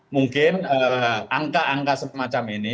mungkin angka angka semacam ini